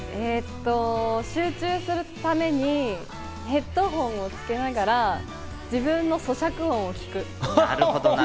集中するためにヘッドホンをつけながら自分の咀嚼音を聴く。